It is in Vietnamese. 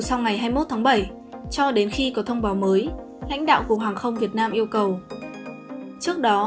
trong ngày hai mươi một tháng bảy cho đến khi có thông báo mới lãnh đạo cục hàng không việt nam yêu cầu trước đó